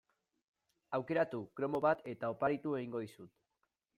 Aukeratu kromo bat eta oparitu egingo dizut.